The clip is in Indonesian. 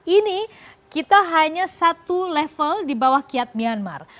ini kita hanya satu level di bawah kiat myanmar